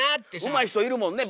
うまい人いるもんね